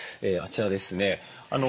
あちらですね。